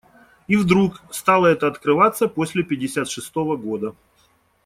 И вдруг стало это открываться после пятьдесят шестого года